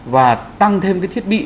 và tăng thêm cái thiết bị